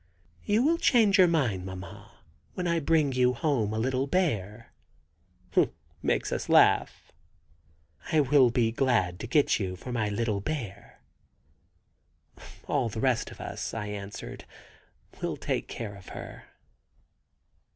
"You will change your mind, mamma, when I bring you home a little bear," makes us laugh. "I will be glad to get you for my little bear." "All the rest of us," I answered, "will take care of her."